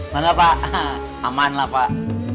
gak apa apa aman lah pak